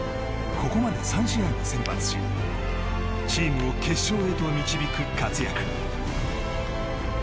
ここまで３試合で先発しチームを決勝へと導く活躍。